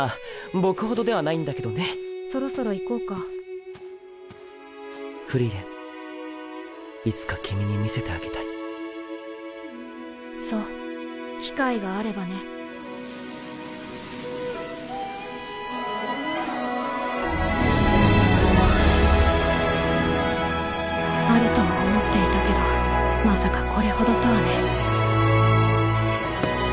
僕ほどではないんだけどねそろそろ行こうかフリーレンいつか君に見せてあげたいそう機会があればねあるとは思っていたけどまさかこれほどとはね。